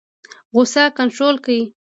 غوسه کنټرول کړئ